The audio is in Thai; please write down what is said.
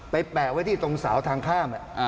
แปะไว้ที่ตรงเสาทางข้าม